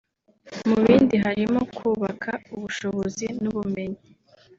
Mu bindi harimo kubaka ubushobozi n’ubumenyi